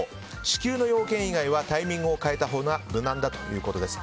至急の要件以外はタイミングを変えたほうが無難だということです。